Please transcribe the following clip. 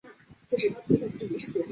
东京音乐大学音乐学部毕业。